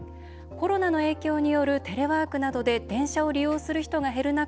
コロナの影響によるテレワークなどで電車を利用する人が減る中